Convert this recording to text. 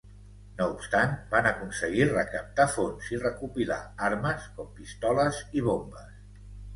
No obstant, van aconseguir recaptar fons i recopilar armes, com pistoles i bombes.